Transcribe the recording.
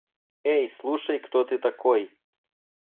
Эй слушай кто ты такой!